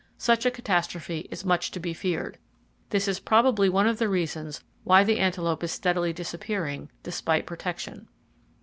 Such a catastrophe is much to be feared. This is probably one of the reasons why the antelope is steadily disappearing, despite protection.